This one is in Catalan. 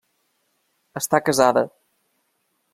Està casada.